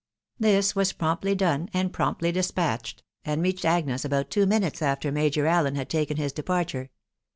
This was promptly done, • and promptly despatched, and reached Agnes about two minutes after Major Allen had taken his departure.